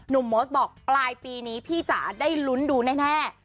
โมสบอกปลายปีนี้พี่จ๋าได้ลุ้นดูแน่